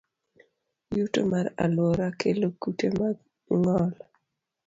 Yuto mar alwora kelo kute mag ng'ol.